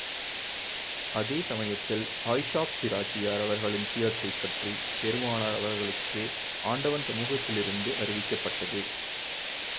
அதே சமயத்தில், ஆயிஷாப் பிராட்டியார் அவர்களின் சீலத்தைப் பற்றி பெருமானார் அவர்களுக்கு ஆண்டவன் சமூகத்திலிருந்து அறிவிக்கப்பட்டது.